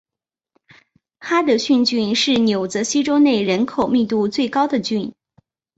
哈德逊郡是纽泽西州内人口密度最高的郡。